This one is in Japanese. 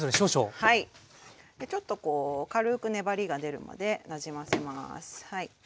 ちょっとこう軽く粘りが出るまでなじませます。